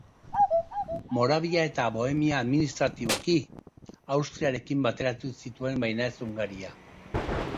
Moravia eta Bohemia administratiboki Austriarekin bateratu zituen, baina ez Hungaria.